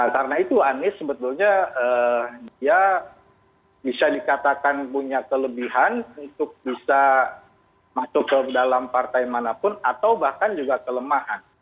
karena itu anies sebetulnya dia bisa dikatakan punya kelebihan untuk bisa masuk ke dalam partai manapun atau bahkan juga kelemahan